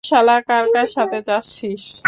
দূর শালা, কার সাথে যাচ্ছিস?